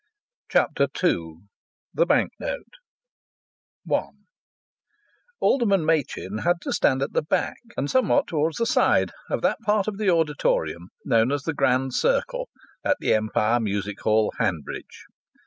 CHAPTER II THE BANK NOTE I Alderman Machin had to stand at the back, and somewhat towards the side, of that part of the auditorium known as the Grand Circle at the Empire Music Hall, Hanbridge.